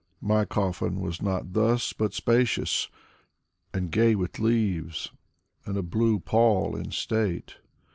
My coffin was not thus — ^but spacious, And gay with leaves and a blue pall in state.